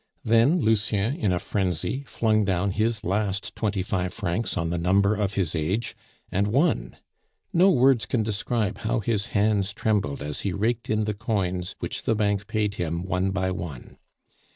Then Lucien, in a frenzy, flung down his last twenty five francs on the number of his age, and won. No words can describe how his hands trembled as he raked in the coins which the bank paid him one by one.